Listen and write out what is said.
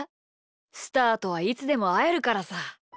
スターとはいつでもあえるからさ。